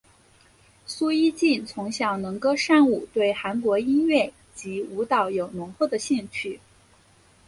苏一晋从小能歌善舞对韩国音乐及舞蹈有浓厚的兴趣。